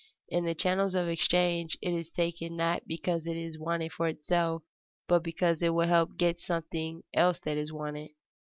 In the channels of exchange it is taken not because it is wanted for itself, but because it will help to get something else that is wanted.